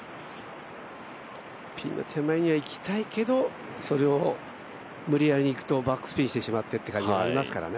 ピンの手前にはいきたいけど、それを無理やりにいくとバックスピンしてしまってという感じになりますからね。